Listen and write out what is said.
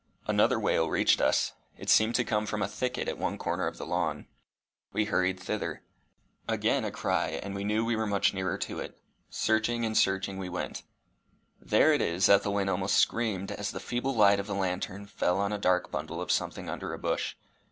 Another wail reached us. It seemed to come from a thicket at one corner of the lawn. We hurried thither. Again a cry, and we knew we were much nearer to it. Searching and searching we went. "There it is!" Ethelwyn almost screamed, as the feeble light of the lantern fell on a dark bundle of something under a bush.